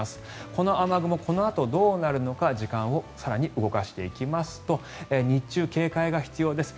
この雨雲、このあとどうなるのか時間を更に動かしていきますと日中、警戒が必要です。